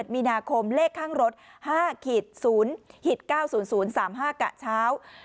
มีนาคมเลขข้างรถ๕๐๙๐๐๓๕กะเช้า